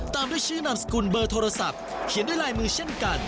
ตามด้วยชื่อนามสกุลเบอร์โทรศัพท์เขียนด้วยลายมือเช่นกัน